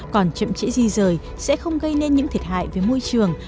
còn chậm chẽ gì rời sẽ không gây nên những thiệt hại với môi trường